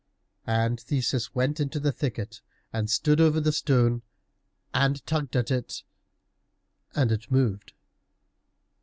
And Theseus went into the thicket and stood over the stone and tugged at it, and it moved.